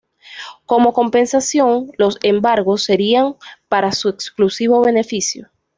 Como compensación, los embargos serían para su exclusivo beneficio.